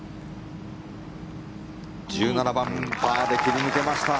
１７番、パーで切り抜けました。